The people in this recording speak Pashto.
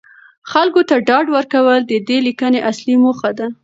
خلکو ته ډاډ ورکول د دې لیکنې اصلي موخه ده.